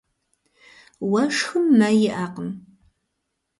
Уэшхым мэ иӏэкъым.